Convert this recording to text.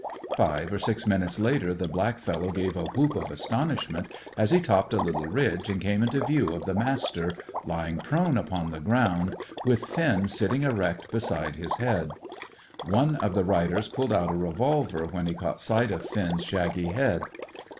Five or six minutes later the black fellow gave a whoop of astonishment as he topped a little ridge and came into view of the Master, lying prone upon the ground, with Finn sitting erect beside his head. One of the riders pulled out a revolver when he caught sight of Finn's shaggy head.